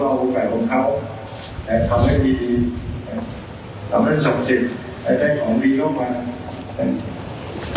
อาจจะอยู่ในคู่มือนี้แต่ก็ขอให้ใช้อุทิศบันทึ่งที่เท่าเชิงใส่ว่า